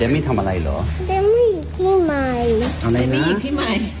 แดมมี่ทำอะไรเหรอแดมมี่หยีกพี่ใหม่ทำอะไรนะแดมมี่หยีกพี่ใหม่